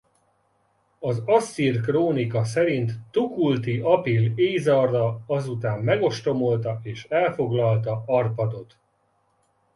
Az asszír krónika szerint Tukulti-apil-ésarra ezután megostromolta és elfoglalta Arpadot.